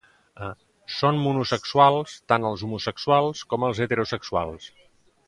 Són monosexuals tant els homosexuals com els heterosexuals.